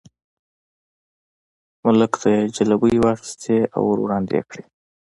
ملک ته یې ځلوبۍ واخیستې او ور یې وړاندې کړې.